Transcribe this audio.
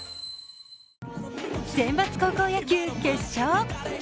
選抜高校野球決勝。